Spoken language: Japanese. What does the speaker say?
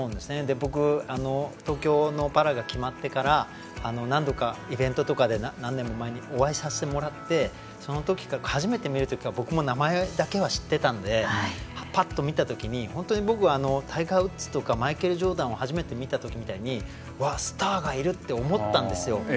僕、東京のパラが決まってから何度かイベントとかで何年も前にお会いしてそのとき、初めて見るときから僕も名前だけは知っていたのでパッと見たときにタイガー・ウッズとかマイケル・ジョーダンを初めて見たときみたいにスターがいるって思ったんですよ。